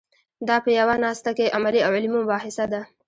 دا په یوه ناسته کې عملي او علمي مباحثه ده.